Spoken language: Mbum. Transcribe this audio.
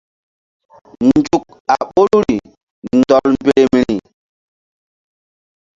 Nzuk a ɓoruri ndɔl mberemri.